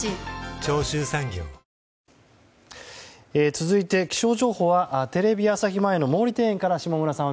続いて、気象情報はテレビ朝日前の毛利庭園から下村さん